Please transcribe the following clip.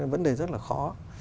vấn đề rất là khó